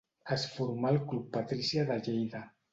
Es formà al Club Patrícia de Lleida.